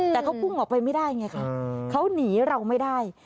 แต่เขาพุ่งออกไปไม่ได้ไงค่ะเขาหนีเราไม่ได้